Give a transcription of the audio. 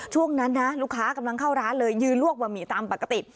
ช่วงนั้นนะลูกค้ากำลังเข้าร้านเลยยืนลวกบะหมี่ตามปกติ